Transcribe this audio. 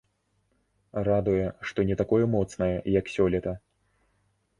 Радуе, што не такое моцнае, як сёлета.